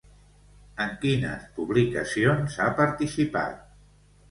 En quines publicacions ha participat?